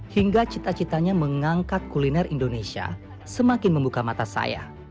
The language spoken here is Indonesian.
hingga cita citanya mengangkat kuliner indonesia semakin membuka mata saya